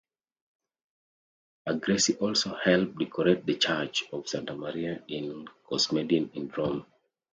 Agresti also helped decorate the church of Santa Maria in Cosmedin in Rome.